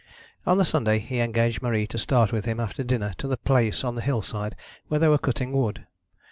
On the Sunday he engaged Marie to start with him after dinner to the place on the hillside where they were cutting wood.